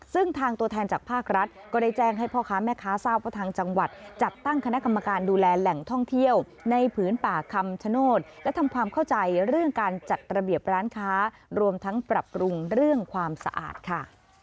ซึ่งทางตัวแทนจากภาครัฐก็ได้แจ้งให้พ่อค้าแม่ค้าทราบว่าทางจังหวัดจัดตั้งคณะกรรมการดูแลแหล่งท่องเที่ยวในผืนป่าคำชโนธและทำความเข้าใจเรื่องการจัดระเบียบร้านค้ารวมทั้งปรับปรุงเรื่องความสะอาดค่ะ